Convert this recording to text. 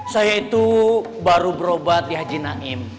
saya itu baru berobat di haji naim